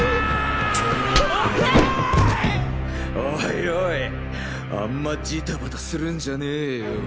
おいおいあんまジタバタするんじゃねぇよ。